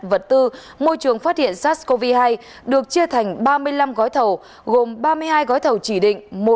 vật tư môi trường phát hiện sars cov hai được chia thành ba mươi năm gói thầu gồm ba mươi hai gói thầu chỉ định